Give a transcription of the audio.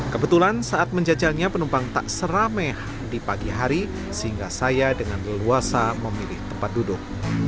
kebetulan saat menjajalnya penumpang tak serame di pagi hari sehingga saya dengan leluasa memilih tempat duduk